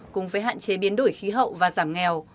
cùng với hạn chế biến đổi khí hậu và giảm nghèo